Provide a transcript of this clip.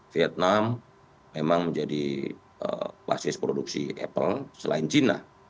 vietnam memang menjadi basis produksi apple selain cina